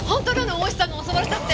大石さんが襲われたって。